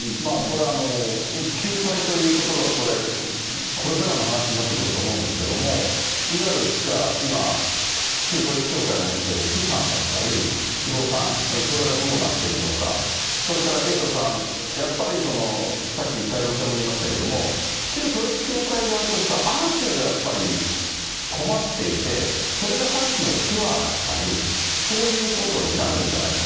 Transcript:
これ、救済というところはこれ、これからの話になってくると思うんですけれども、いわゆるじゃあ、今、旧統一教会の持っている資産だったり、不動産、それがどうなっていくのか、それからエイトさん、やっぱり、さっき太蔵ちゃんも言いましたけれども、旧統一教会側としては、ある程度やっぱり、困っていて、それがさっきのツアーだったり、そういうことになるんじゃないですか。